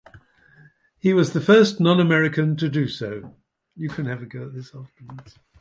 He was the first non-American to do so.